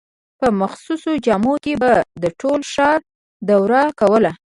په مخصوصو جامو کې به د ټول ښار دوره کوله.